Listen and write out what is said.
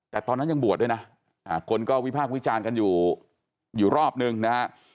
แต่ตอนนั้นยังบวชด้วยนะคนก็วิพากษ์วิจารณ์กันอยู่อยู่รอบนึงนะฮะ